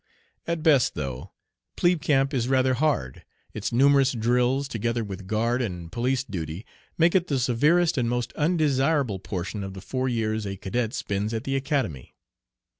At best, though, plebe camp is rather hard, its Numerous drills, together with guard and police duty, make it the severest and most undesirable portion of the four years a cadet spends at the Academy.